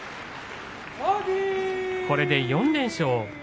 これで４連勝。